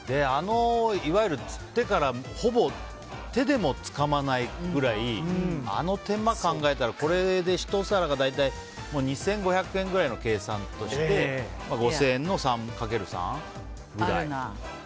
いわゆる手でもつかまないくらいあの手間を考えたらこれで１皿が大体２５００円ぐらいの計算として５０００円のかける３くらい。